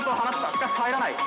しかし入らない。